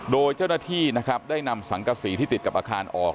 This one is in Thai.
โดยเจ้าหน้าที่นะครับได้นำสังกษีที่ติดกับอาคารออก